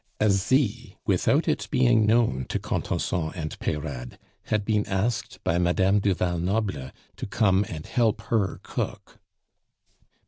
Asie, without its being known to Contenson and Peyrade, had been asked by Madame du Val Noble to come and help her cook.